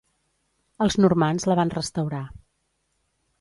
Els normands la van restaurar.